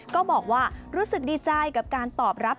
ก็บอกว่ารู้สึกดีใจกับการตอบรับ